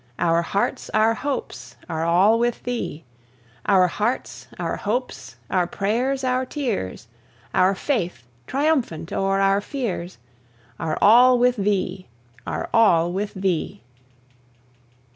Our hearts, our hopes, are all with thee. Our hearts, our hopes, our prayers, our tears, Our faith, triumphant o'er our fears, Are all with thee, are all with thee!